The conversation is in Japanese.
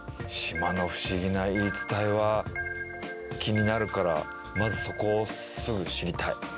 島の不思議な言い伝えは気になるからまずそこをすぐ知りたい。